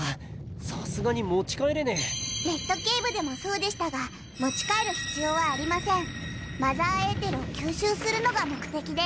さすがに持ち帰れねえレッドケイブでもそうでしたが持ち帰る必要はありませんマザーエーテルを吸収するのが目的です